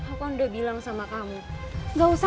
aku cuma pengen tahu aja